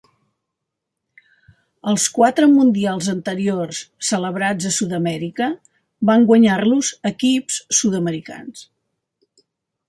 Els quatre mundials anteriors celebrats a Sud-amèrica van guanyar-los equips sud-americans.